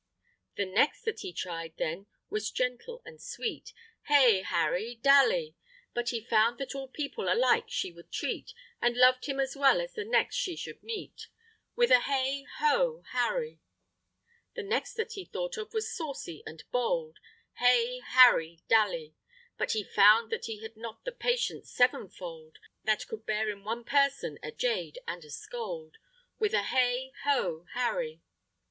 The next that he tried then was gentle and sweet, Hey, Harry Dally! But he found that all people alike she would treat, And loved him as well as the next she should meet, With a hey ho, Harry! The next that he thought of was saucy and bold, Hey, Harry Dally! But he found that he had not the patience sevenfold That could bear in one person a jade and a scold, With a hey ho, Harry!